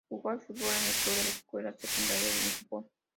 Jugó al fútbol en el club de la escuela secundaria en Japón.